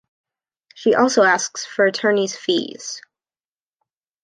She also asks for attorney's fees.